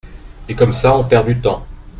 Et comme ça on perd du temps.